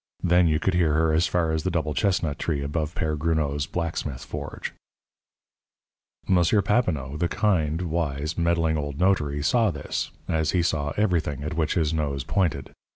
Then you could hear her as far as the double chestnut tree above Père Gruneau's blacksmith forge. M. Papineau, the kind, wise, meddling old notary, saw this, as he saw everything at which his nose pointed.